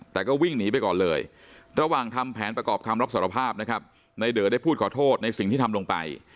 แต่ก็วิ่งหนีไปก่อนเลยระหว่างทำแผนประกอบคำรับสารภาพนะครับในเดอได้พูดขอโทษในสิ่งที่ทำลงไป